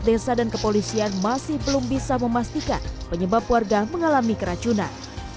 desa dan kepolisian masih belum bisa memastikan penyebab warga mengalami keracunan